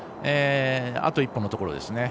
あと一歩のところですね。